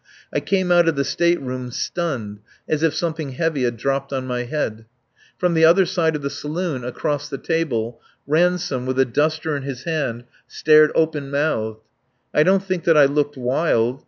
I came out of the state room stunned, as if something heavy had dropped on my head. From the other side of the saloon, across the table, Ransome, with a duster in his hand, stared open mouthed. I don't think that I looked wild.